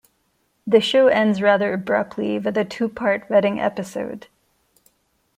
The show ends rather abruptly, with a two-part wedding episode.